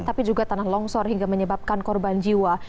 tapi juga tanah longsor hingga menyebabkan korban jiwa